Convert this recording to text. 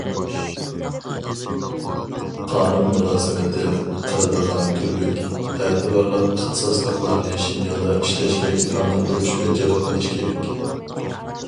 قانۇن مۇلازىمىتى قىلىدىغان تۈرلۈك ئەتىۋارلىق ئىختىساسلىقلارنى شىنجاڭدا ئىشلەشكە ئىلھاملاندۇرۇش ۋە جەلپ قىلىش كېرەك.